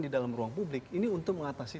di dalam ruang publik ini untuk mengatasi